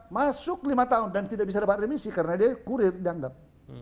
masuk lima tahun dan tidak bisa dapat remisi karena dia kurir dianggap